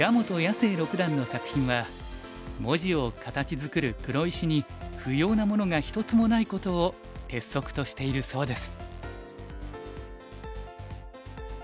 星六段の作品は文字を形作る黒石に不要なものが一つもないことを鉄則としているそうです。